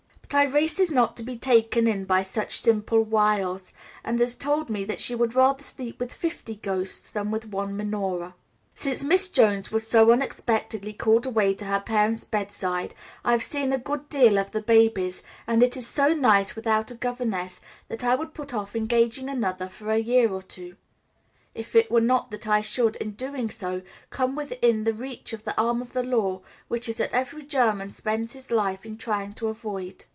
But Irais is not to be taken in by such simple wiles, and has told me she would rather sleep with fifty ghosts than with one Minora. Since Miss Jones was so unexpectedly called away to her parent's bedside I have seen a good deal of the babies; and it is so nice without a governess that I would put off engaging another for a year or two, if it were not that I should in so doing come within the reach of the arm of the law, which is what every German spends his life in trying to avoid.